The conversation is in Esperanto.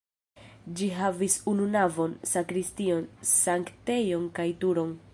Ĝi havis unu navon, sakristion, sanktejon kaj turon.